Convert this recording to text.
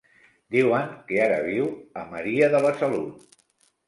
Diuen que ara viu a Maria de la Salut.